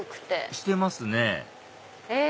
してますねえ？